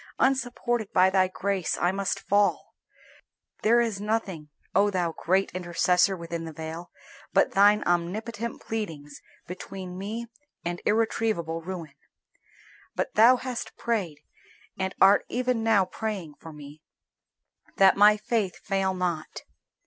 Unsupported by Thy grace I must fall. There is nothing, O Thou great Intercessor within the veil, but Thine omnipotent pleadings between me and irretrievable ruin. But Thou hast prayed, and art even now praying, for me that my faith fail not.